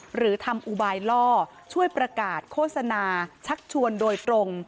หรือทำอุบายล่อช่วยประกาศโฆษณาชักชวนโดยตรง